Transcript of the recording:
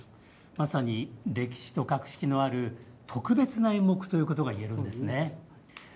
まさに歴史と格式のある特別な演目ということがいえるんですね。